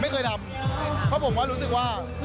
ไม่เคยทำเพราะผมก็รู้สึกว่า